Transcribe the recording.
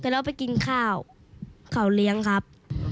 แล้วไปกินข้าวเขาเลี้ยงครับ